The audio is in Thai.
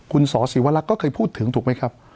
คุณสศิวรักษ์ก็เคยพูดถึงถูกไหมครับ